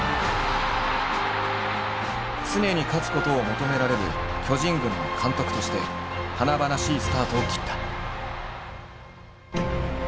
常に勝つことを求められる巨人軍の監督として華々しいスタートを切った。